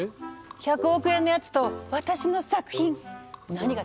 １００億のやつと私の作品何が違うわけ？